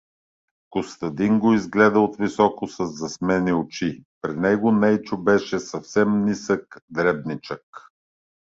Костадин го изгледа отвисоко със засмени очи: при него Нейчо беше съвсем нисък, дребничек.